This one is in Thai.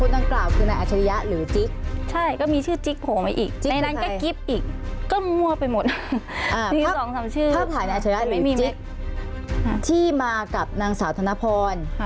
มีชื่อจิ๊กหัวไหมอีกในนั้นก็กิ๊บอีกก็มั่วไปหมด๑๒๓ชื่อถ้าถ่ายในอาชะยะหรือจิ๊กที่มากับนางสาวธนพร